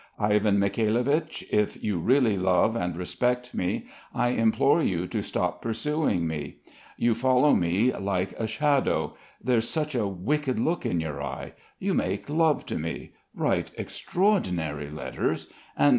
Ivan Mikhailovich, if you really love and respect me I implore you to stop pursuing me i You follow me like a shadow there's such a wicked look in your eye you make love to me write extraordinary letters and